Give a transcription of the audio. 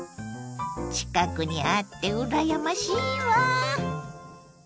近くにあってうらやましいわ。